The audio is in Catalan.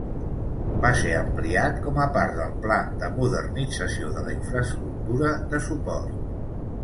Va ser ampliat com a part del pla de modernització de la infraestructura de suport.